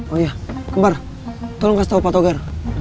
oh iya kemar tolong kasih tau patogar